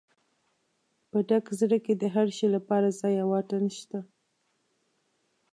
په ډک زړه کې د هر شي لپاره ځای او واټن شته.